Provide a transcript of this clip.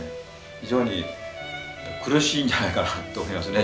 非常に苦しいんじゃないかなと思いますね